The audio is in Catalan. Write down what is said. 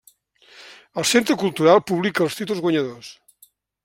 El Centre Cultural publica els títols guanyadors.